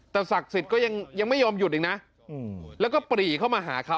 แต่ศักดิ์สิทธิ์ก็ยังไม่ยอมหยุดอีกนะแล้วก็ปรีเข้ามาหาเขา